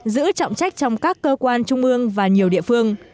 giữ trọng trách trong các cơ quan trung ương và nhiều địa phương